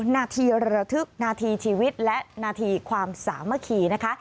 นาธิระทึกนาธิชีวิตและนาธิความสามารถขี่นะคะ